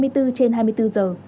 hai mươi bốn trên hai mươi bốn giờ